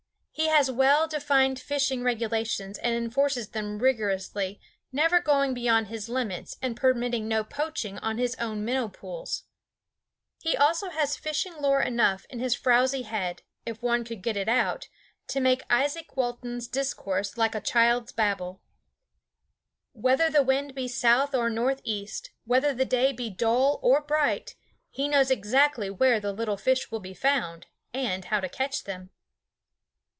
He has well defined fishing regulations and enforces them rigorously, never going beyond his limits and permitting no poaching on his own minnow pools. He also has fishing lore enough in his frowsy head if one could get it out to make Izaak Walton's discourse like a child's babble. Whether the wind be south or northeast, whether the day be dull or bright, he knows exactly where the little fish will be found, and how to catch them.